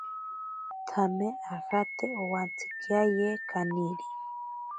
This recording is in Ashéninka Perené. Tsame ajate owantsikiaye kaniri.